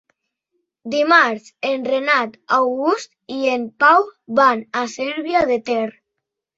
Dimarts en Renat August i en Pau van a Cervià de Ter.